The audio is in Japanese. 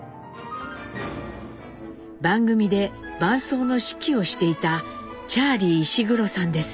番組で伴奏の指揮をしていたチャーリー石黒さんです。